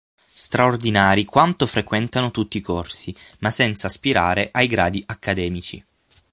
Straordinari quanto frequentano tutti i corsi, ma senza aspirare ai gradi accademici.